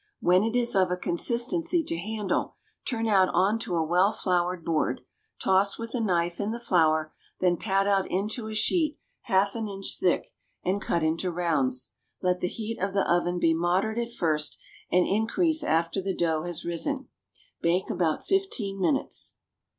When it is of a consistency to handle, turn out on to a well floured board, toss with the knife in the flour, then pat out into a sheet half an inch thick, and cut into rounds. Let the heat of the oven be moderate at first, and increase after the dough has risen. Bake about fifteen minutes.